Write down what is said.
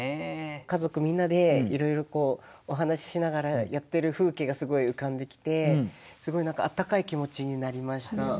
家族みんなでいろいろお話ししながらやってる風景がすごい浮かんできてすごい温かい気持ちになりました。